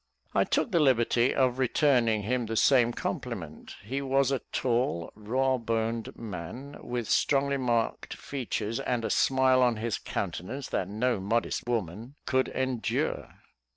I took the liberty of returning him the same compliment; he was a tall raw boned man, with strongly marked features, and a smile on his countenance that no modest woman could endure.